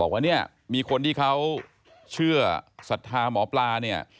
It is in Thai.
บอกว่าเนี่ยมีคนที่เขาเชื่อสัตว์ภาพหมอปลาเนี่ย